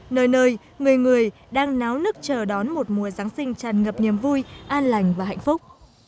nơi nơi người người đang náo nức chờ đón một mùa giáng sinh tràn ngập niềm vui an lành và hạnh phúc